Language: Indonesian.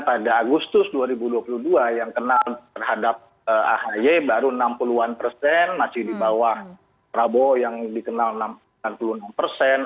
pada agustus dua ribu dua puluh dua yang kenal terhadap ahy baru enam puluh an persen masih di bawah prabowo yang dikenal enam puluh enam persen